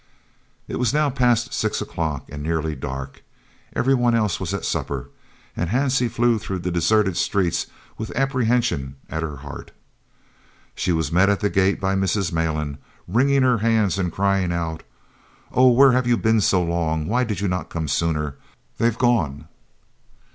It was now past 6 o'clock and nearly dark. Every one else was at supper, and Hansie flew through the deserted streets with apprehension at her heart. She was met at the gate by Mrs. Malan, wringing her hands and crying out: "Oh, where have you been so long? Why did you not come sooner? _They've gone!